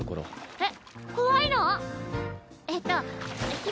えっ？